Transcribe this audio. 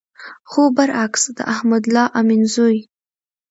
خو بر عکس د احمد الله امین زوی